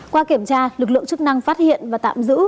qua kiểm tra lực lượng chức năng phát hiện và tạm giữ